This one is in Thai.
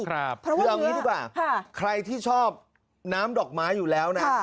คือเอางี้ดีกว่าใครที่ชอบน้ำดอกไม้อยู่แล้วนะ